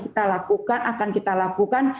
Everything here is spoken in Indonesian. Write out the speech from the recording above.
kita lakukan akan kita lakukan